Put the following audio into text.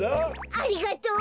ありがとう。